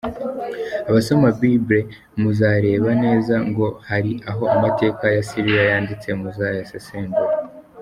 abasoma bible, muzarebe neza ngo hari aho amateka ya syria yanditse, muzayasesengure.